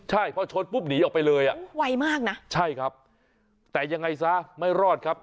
ใช่พอชนปุ๊บหนีออกไปเลยอ่ะไวมากนะใช่ครับแต่ยังไงซะไม่รอดครับ